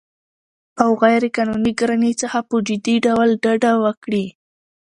او غیرقانوني ګرانۍ څخه په جدي ډول ډډه وکړي